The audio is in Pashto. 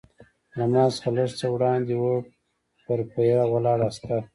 له ما څخه لږ څه وړاندې وه، پر پیره ولاړ عسکر.